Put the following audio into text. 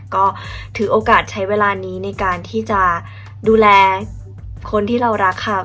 ก็ถือโอกาสใช้เวลานี้ในการที่จะดูแลคนที่เรารักค่ะ